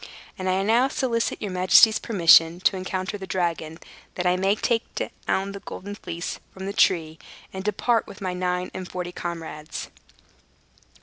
And now I solicit your majesty's permission to encounter the dragon, that I may take down the Golden Fleece from the tree, and depart, with my nine and forty comrades."